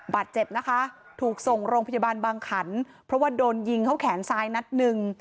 บาดเจ็บนะคะถูกส่งโรงพยาบาลบางขันเพราะว่าโดนยิงเข้าแขนซ้ายนัดหนึ่ง